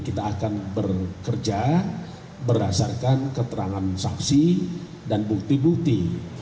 kita akan bekerja berdasarkan keterangan saksi dan bukti bukti